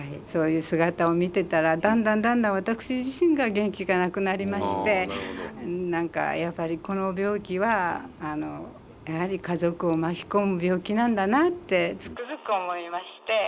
そういう姿を見てたらだんだんだんだん私自身が元気がなくなりまして何かやっぱりこの病気はやはり家族を巻き込む病気なんだなってつくづく思いまして。